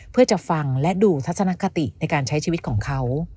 เพื่อจะฟังและดูทัศนคติในการใช้ชีวิตของเขา